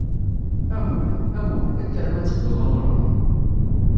A Muĥ, a Muḥ, kker ma tedduḍ ad nruḥ.